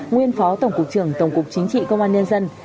nguyên phó tổng cục trưởng tổng cục chính trị công an nhân dân